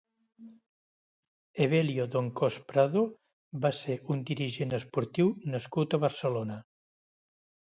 Evelio Doncós Prado va ser un dirigent esportiu nascut a Barcelona.